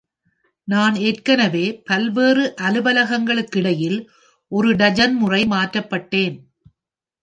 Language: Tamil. நான் ஏற்கனவே பல்வேறு அலுவலகங்களுக்கிடையில் ஒரு டஜன் முறை மாற்றப்பட்டேன்.